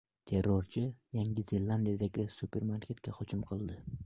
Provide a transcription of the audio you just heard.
Terrorchi Yangi Zelandiyadagi supermarketga hujum qildi